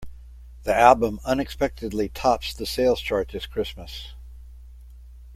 The album unexpectedly tops the sales chart this Christmas.